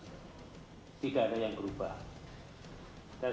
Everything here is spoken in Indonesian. tidak ada yang berubah